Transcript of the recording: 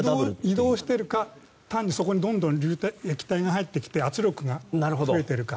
移動しているか単にそこに液体がどんどん入ってきて圧力が増えてるか。